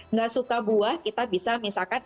nggak suka buah kita bisa misalkan